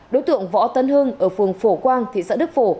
đối tượng võ tấn hưng ở phường phổ quang thị xã đức phổ